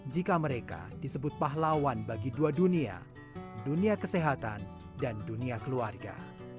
jika mereka disebut pahlawan bagi dua dunia dunia kesehatan dan dunia keluarga